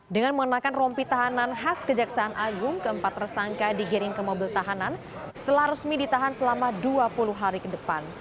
dengan mengenakan rompi tahanan khas kejaksaan agung keempat tersangka digiring ke mobil tahanan setelah resmi ditahan selama dua puluh hari ke depan